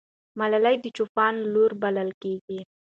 ملالۍ د چوپان لور بلل کېږي.